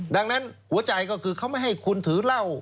ดังนั้นหัวใจก็คือเขาไม่ให้คุณถือเหล้า